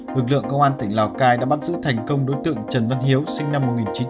vực lượng công an tỉnh lào cai đã bắt giữ thành công đối tượng trần văn hiếu sinh năm một nghìn chín trăm bảy mươi bốn